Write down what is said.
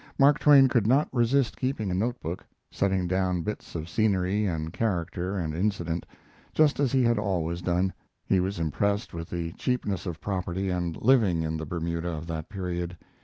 Mark Twain could not resist keeping a note book, setting down bits of scenery and character and incident, just as he had always done. He was impressed with the cheapness of property and living in the Bermuda of that period.